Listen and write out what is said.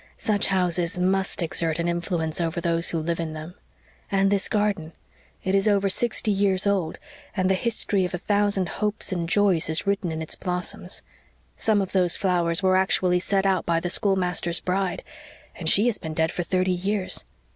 "Such houses, MUST exert an influence over those who live in them. And this garden it is over sixty years old and the history of a thousand hopes and joys is written in its blossoms. Some of those flowers were actually set out by the schoolmaster's bride, and she has been dead for thirty years.